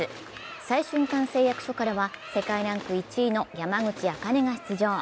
再春館製薬所からは世界ランク１位の山口茜が出場。